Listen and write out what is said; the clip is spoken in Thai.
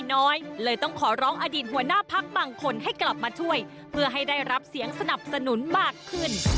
น้อยเลยต้องขอร้องอดีตหัวหน้าพักบางคนให้กลับมาช่วยเพื่อให้ได้รับเสียงสนับสนุนมากขึ้น